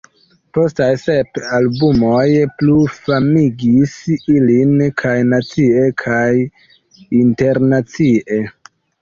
Postaj sep albumoj plu famigis ilin kaj nacie kaj internacie.